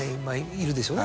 いるでしょうね。